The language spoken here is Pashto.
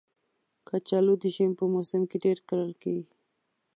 کچالو د ژمي په موسم کې ډېر کرل کېږي